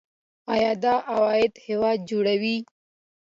آیا دا عواید هیواد جوړوي؟